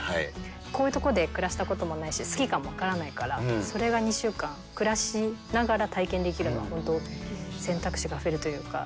こういう所で暮らしたこともないし、好きかも分からないから、それが２週間、暮らしながら体験できるのは、本当、選択肢が増えるというか。